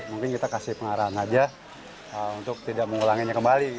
mungkin kita kasih pengarahan aja untuk tidak mengulanginya kembali